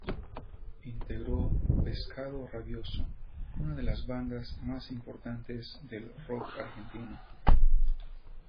Integró Pescado Rabioso, una de las bandas más importantes del rock argentino.